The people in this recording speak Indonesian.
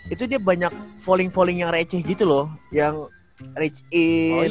itu dia banyak falling falling yang receh gitu loh yang reach in